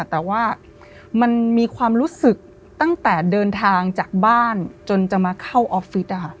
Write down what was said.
แต่ว่ามันมีความรู้สึกตั้งแต่เดินทางจากบ้านจนจะมาเข้าออฟฟิศ